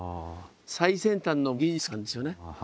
最先端の技術なんですよね。